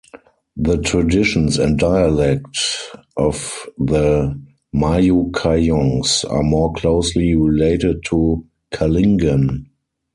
The traditions and dialect of the Majukayongs are more closely related to Kalingan.